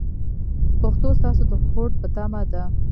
پښتو ستاسو د هوډ په تمه ده.